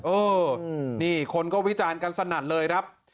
เออนี่คนก็วิจารณ์กันสนั่นเลยครับ